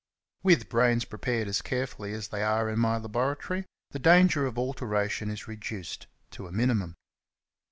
With brains prepared as carefully as they are in my laboratory^ the danger of alteration is reduced to a minimum.